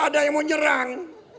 ada yang mau nyerang